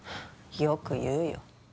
よく言うよ。